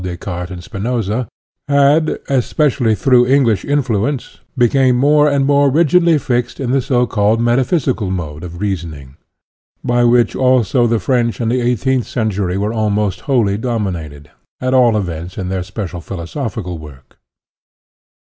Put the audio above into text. Descartes and Spi noza), had, especially through English in fluence, become more and more rigidly fixed in the so called metaphysical mode of reason ing, by which also the French of the eigh teenth century were almost wholly dom inated, at all events in their special philo sophical work.